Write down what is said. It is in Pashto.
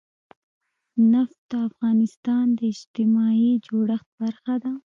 نفت د افغانستان د اجتماعي جوړښت برخه ده.